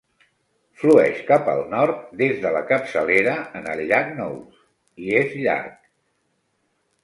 Flueix cap al nord des de la capçalera en el llac Nose i és llarg.